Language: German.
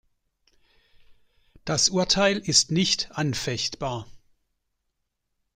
Das Urteil ist nicht anfechtbar.